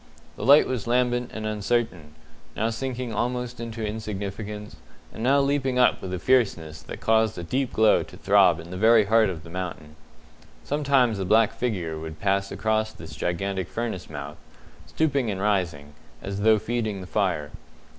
The light was lambent and uncertain, now sinking almost into insignificance, and now leaping up with a fierceness that caused a deep glow to throb in the very heart of the mountain. Sometimes a black figure would pass across this gigantic furnace mouth, stooping and rising, as though feeding the fire.